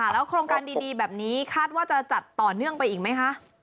แล้วโครงการดีแบบนี้คาดว่าจะจัดต่อเนื่องไปอีกไหมคะ